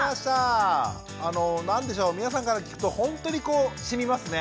あの何でしょう皆さんから聞くとほんとにこうしみますね。ね